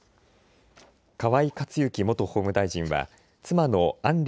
河井克行元法務大臣は妻の案